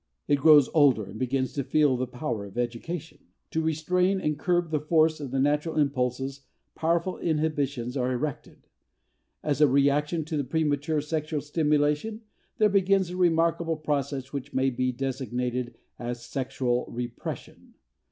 It grows older and begins to feel the power of education. To restrain and curb the force of the natural impulses powerful inhibitions are erected. As a reaction to the premature sexual stimulation there begins a remarkable process which may be designated as "sexual repression."